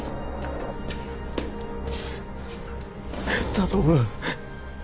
頼む。